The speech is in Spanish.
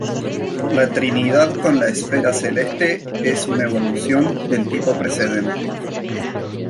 La Trinidad con la esfera celeste es una evolución del tipo precedente.